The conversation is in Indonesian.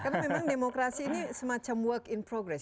karena memang demokrasi ini semacam work in progress